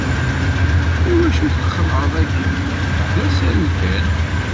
Iwacu txelɛeḍ akken? D asaru kan.